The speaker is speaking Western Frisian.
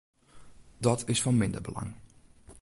Dat is fan minder belang.